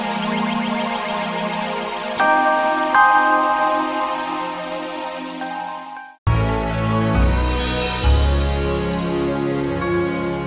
aku juga gak mau damai